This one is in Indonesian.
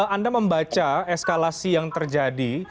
anda membaca eskalasi yang terjadi